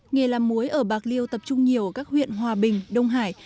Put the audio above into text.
nghề làm muối ở bạc liêu tập trung nhiều ở các huyện hòa bình đông hải